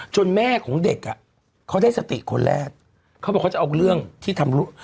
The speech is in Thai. จนแม่ของเด็กเขาได้สติคนแรกเข้ามาเขาจะเอาเรื่องที่ทำลูก